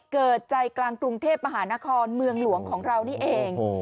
เกิดใจกลางกรุงเทพมหานครเมืองหลวงของเรานี่เอง